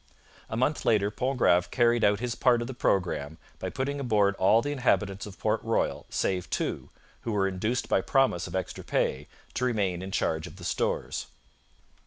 A month later Pontgrave carried out his part of the programme by putting aboard all the inhabitants of Port Royal save two, who were induced by promise of extra pay to remain in charge of the stores.